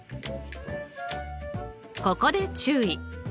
ここで注意！